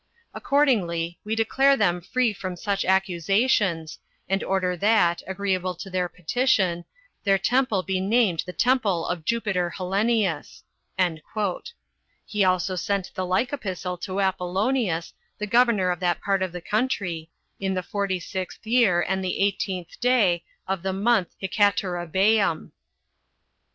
Accordingly, we declare them free from such accusations, and order that, agreeable to their petition, their temple be named the Temple of Jupiter Hellenius." He also sent the like epistle to Apollonius, the governor of that part of the country, in the forty sixth year, and the eighteenth day of the month Hecatorabeom.